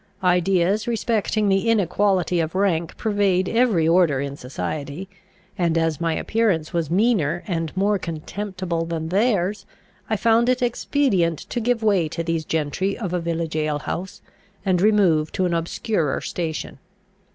Ideas respecting the inequality of rank pervade every order in society; and, as my appearance was meaner and more contemptible than theirs, I found it expedient to give way to these gentry of a village alehouse, and remove to an obscurer station.